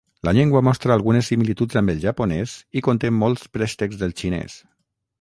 La llengua mostra algunes similituds amb el japonès i conté molts préstecs del xinès.